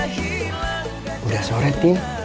sudah sore tim